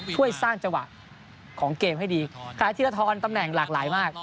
ช่วยสร้างจังหวะของเกมให้ดีขณะธีรทรตำแหน่งหลากหลายมาก